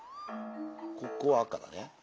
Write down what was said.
ここ赤だね。